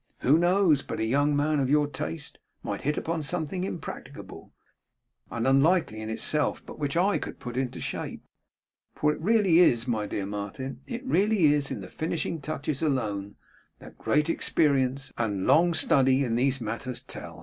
Who knows but a young man of your taste might hit upon something, impracticable and unlikely in itself, but which I could put into shape? For it really is, my dear Martin, it really is in the finishing touches alone, that great experience and long study in these matters tell.